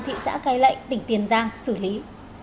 thị xã cai lệ tỉnh tiền giang xử lý